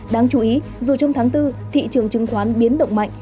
đáng chú ý dù trong tháng bốn thị trường chứng khoán biến động mạnh